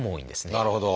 なるほど。